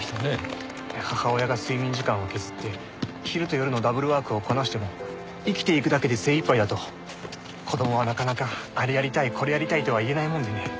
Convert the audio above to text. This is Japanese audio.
母親が睡眠時間を削って昼と夜のダブルワークをこなしても生きていくだけで精いっぱいだと子供はなかなか「あれやりたいこれやりたい」とは言えないもんでね。